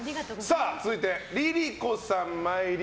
続いてＬｉＬｉＣｏさん。